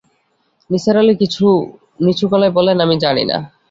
নিসার আলি নিছু গলায় বললেন, আমি জানি না।